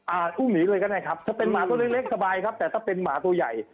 อุ้มหนีเลยก็ได้ครับถ้าเป็นหมาตัวเล็กเล็กสบายครับแต่ถ้าเป็นหมาตัวใหญ่